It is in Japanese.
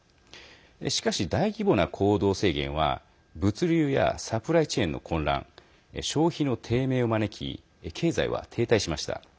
しかし、大規模な行動制限は物流やサプライチェーンの混乱消費の低迷を招き経済は停滞しました。